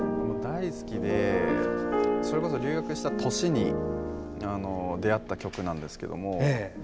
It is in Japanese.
大好きでそれこそ留学した年に出会った曲なんですけども。